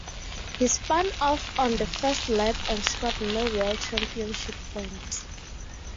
He spun off on the first lap and scored no World Championship points.